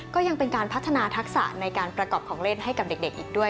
ก็ยังเป็นการพัฒนาทักษะในการประกอบของเล่นให้กับเด็กอีกด้วย